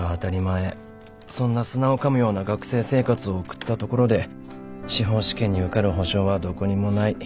そんな砂をかむような学生生活を送ったところで司法試験に受かる保証はどこにもない。